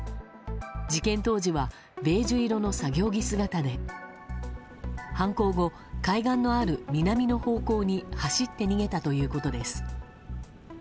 事件当時はベージュ色の作業着姿で犯行後、海岸のある南の方向に走って逃げたということです。